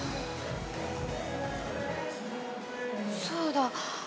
そうだ。